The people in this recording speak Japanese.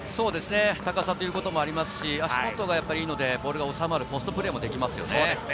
高さということもありますし、足元がいいので、ボールが収まるポストプレーもできます。